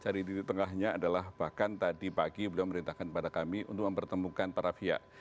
cari titik tengahnya adalah bahkan tadi pagi beliau merintahkan kepada kami untuk mempertemukan para pihak